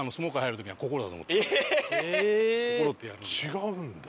違うんだ。